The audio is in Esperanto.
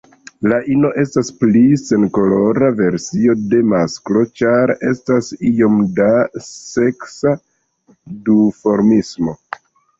La ino estas pli senkolora versio de masklo, ĉar estas iom da seksa duformismo.